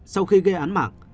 sau khi gây án mạng